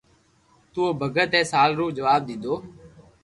تو او ڀگت اي سال رو جواب ديديو